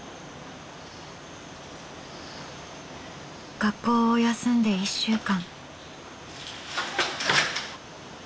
学校を休んで１週間。